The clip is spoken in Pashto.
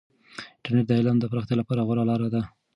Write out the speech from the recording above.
انټرنیټ د علم د پراختیا لپاره غوره لاره ده.